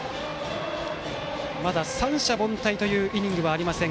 まだ三者凡退というイニングはありません